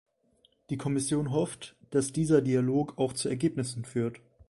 Die Kommission hofft, dass dieser Dialog auch zu Ergebnissen führt.